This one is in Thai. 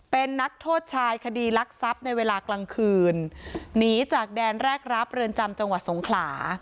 เป็นนักโทษชายคดีรักทรัพย์ในเวลากลางคืนหนีจากแดนแรกรับเรือนจำจังหวัดสงขลา